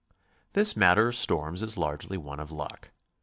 This matter of storms is largely one of luck.